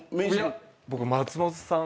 いや僕松本さん。